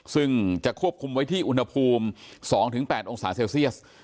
ซึ่งจะควบคุมไว้ที่อุณหภูมิ๒๘องศาเซลเซียส